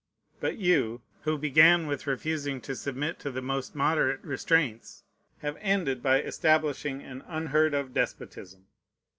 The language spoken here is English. But you, who began with refusing to submit to the most moderate restraints, have ended by establishing an unheard of despotism.